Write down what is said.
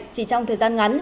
chỉ trong thời gian ngắn